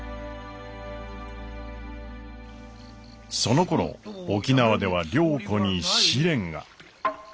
そのころ沖縄では良子に試練が。